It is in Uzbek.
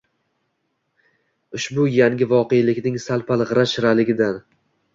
ushbu yangi voqelikning sal-pal g‘ira-shiraligidan